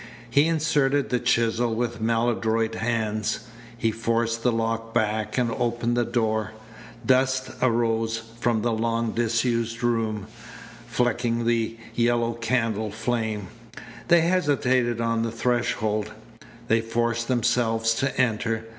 He inserted the chisel with maladroit hands. He forced the lock back and opened the door. Dust arose from the long disused room, flecking the yellow candle flame. They hesitated on the threshold. They forced themselves to enter.